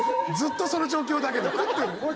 ずっとその状況だけど食べてる？